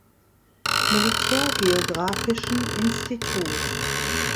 Militärgeographischen Institut.